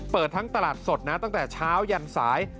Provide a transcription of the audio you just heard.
เปิดทั้งตลาดสดนะตั้งแต่เช้ายันสาย